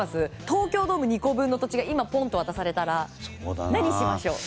東京ドーム２個分の土地が今ポンと渡されたら何しましょう。